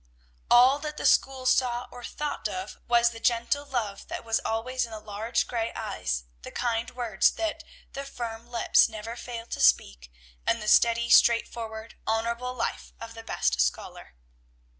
All that the school saw or thought of was the gentle love that was always in the large gray eyes, the kind words that the firm lips never failed to speak, and the steady, straightforward, honorable life of the best scholar.